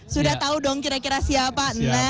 sudah tahu dong kira kira siapa